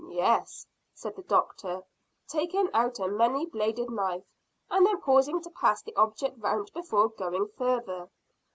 "Yes," said the doctor, taking out a many bladed knife, and then pausing to pass the object round before going farther.